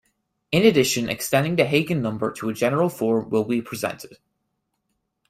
In addition, extending the Hagen number to a general form will be presented.